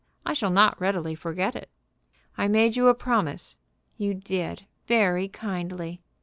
I shall not readily forget it." "I made you a promise " "You did very kindly."